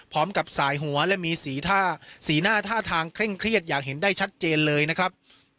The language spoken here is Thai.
สายหัวและมีสีหน้าท่าทางเคร่งเครียดอย่างเห็นได้ชัดเจนเลยนะครับ